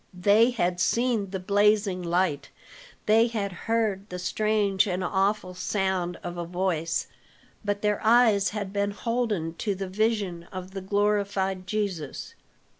They had seen the blazing light, they had heard the strange and awful sound of a voice, but their eyes had been holden to the vision of the glorified Jesus.